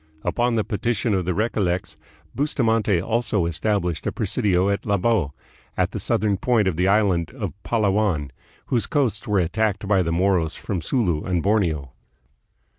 Upon the petition of the Recollects, Bustamante also established a presidio at Labo, at the southern point of the island of Palawan, whose coasts were attacked by the Moros from Sulu and Borneo.